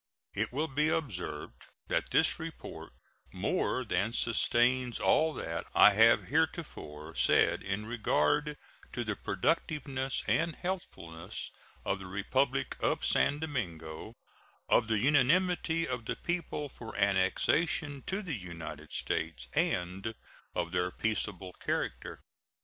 It will be observed that this report more than sustains all that I have heretofore said in regard to the productiveness and healthfulness of the Republic of San Domingo, of the unanimity of the people for annexation to the United States, and of their peaceable character.